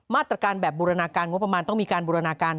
มาตรการแบบบูรณาการงบประมาณต้องมีการบูรณาการ